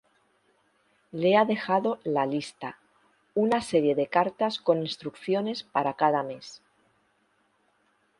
Le ha dejado "La Lista", una serie de cartas con instrucciones para cada mes.